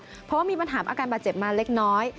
เพราะว่ามีปัญหาอาการบาดเจ็บมาเล็กน้อย